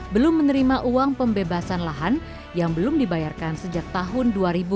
belum menerima uang pembebasan lahan yang belum dibayarkan sejak tahun dua ribu dua